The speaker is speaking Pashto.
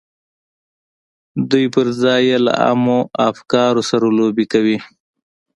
دوی پر ځای یې له عامو افکارو سره لوبې کوي